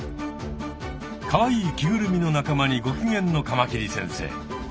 かわいい着ぐるみの仲間にごきげんのカマキリ先生。